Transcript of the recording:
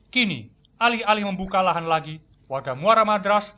kini alih alih membuka lahan lagi warga muara madras